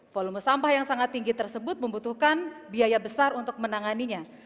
volume sampah yang sangat tinggi tersebut membutuhkan biaya besar untuk menanganinya